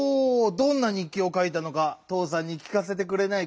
どんなにっきをかいたのかとうさんにきかせてくれないか？